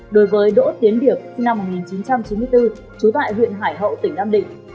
đối với đỗ tiến điệp sinh năm một nghìn chín trăm chín mươi bốn trú tại huyện hải hậu tỉnh nam định